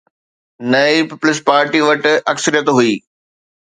نه ئي پيپلز پارٽي وٽ اڪثريت هئي.